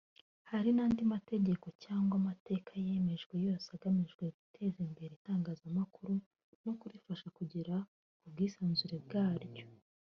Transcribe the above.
Hari n’andi mategeko cyangwa amateka yemejwe yose agamije guteza imbere Itangazamakuru no kurifasha kugera ku bwisanzure bwaryo